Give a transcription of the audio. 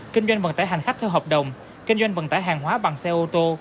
kinh doanh vận tải hành khách theo hợp đồng kinh doanh vận tải hàng hóa bằng xe ô tô